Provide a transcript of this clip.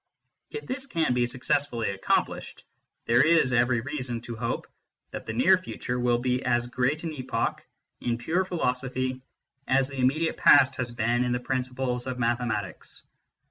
If this can be successfully accomplished, there is every reason to hope that the near future will be as great an epoch in pure philosophy as the immediate past has been in the principles of mathematics.